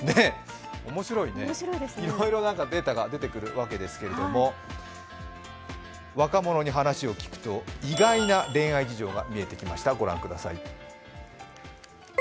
面白いね、いろいろデータが出てくるわけなんですけれども、若者に話を聞くと、意外な恋愛事情が見えてきました。